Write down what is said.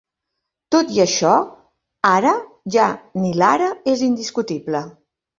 Tot i això, ara ja ni l'ara és indiscutible.